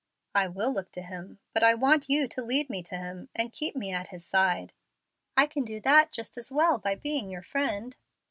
"I will look to Him, but I want you to lead me to Him, and keep me at His side." "I can do that just as well by being your friend."